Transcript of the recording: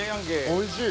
おいしい。